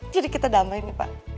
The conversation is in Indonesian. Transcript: jadi kita damai nih pak